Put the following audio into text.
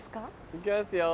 行きますよ。